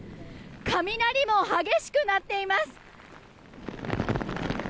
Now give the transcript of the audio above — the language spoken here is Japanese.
雷も激しく鳴っています。